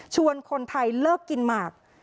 ชวนคนไทยเลิกกินหมาก